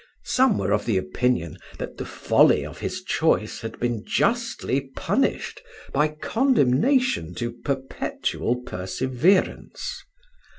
Some were of opinion that the folly of his choice had been justly punished by condemnation to perpetual perseverance.